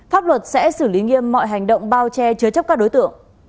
pháp luật sẽ xử lý nghiêm mọi hành động bao che chứa chấp các đối tượng